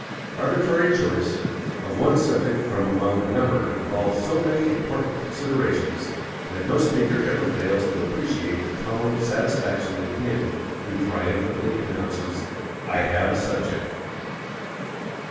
"Arbitrary choice ... of one subject from among a number involves so many important considerations that no speaker ever fails to appreciate the tone of satisfaction in him who triumphantly announces: 'I have a subject!'